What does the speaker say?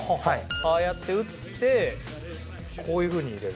ああやって打ってこういうふうに入れる。